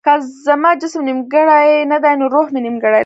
که زما جسم نيمګړی نه دی نو روح مې نيمګړی دی.